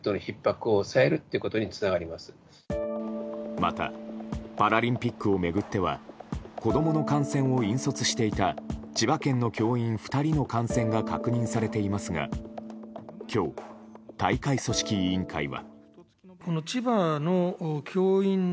またパラリンピックを巡っては子供の観戦を引率していた千葉県の教員２人の感染が確認されていますが今日、大会組織委員会は。